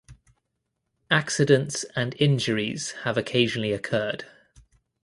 Accidents and injuries have occasionally occurred.